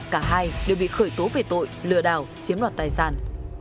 cả hai đều bị khởi tố về tội lừa đảo chiếm đoạt tài sản